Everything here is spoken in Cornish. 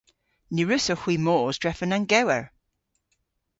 Ny wrussowgh hwi mos drefen an gewer.